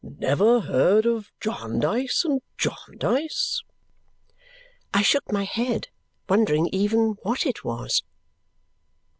never heard of Jarndyce and Jarndyce!" I shook my head, wondering even what it was.